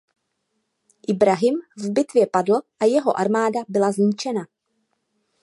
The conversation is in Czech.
Ibrahim v bitvě padl a jeho armáda byla zničena.